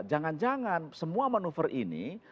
jangan jangan semua manuver ini